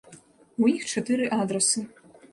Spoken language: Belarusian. У іх чатыры адрасы.